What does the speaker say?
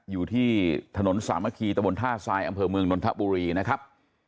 อยู่ที่ถนนสามัคคีตะบนท่าทรายอำเภอเมืองนนทบุรีนะครับ